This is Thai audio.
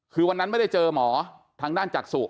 คือวันนั้นไม่ได้เจอหมอทางด้านจักษุ